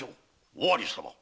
尾張様。